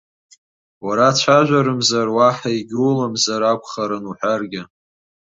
Уара цәажәармзар уаҳа егьуламзар акәхарын уҳәаргьы.